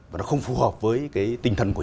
và nó không phù hợp với cái tinh thần của